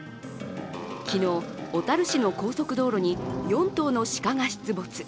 昨日、小樽市の高速道路に４頭の鹿が出没。